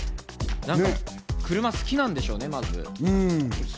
車好きなんでしょうね、まず。